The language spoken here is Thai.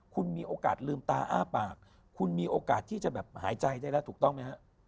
คุณมีโอกาสลืมตาอ้าปากคุณมีโอกาสที่จะแบบหายใจได้แล้วถูกต้องไหมฮะ